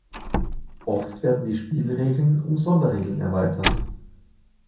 Oft werden die Spielregeln um Sonderregeln erweitert.